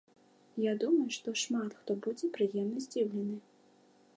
Я думаю, што шмат хто будзе прыемна здзіўлены.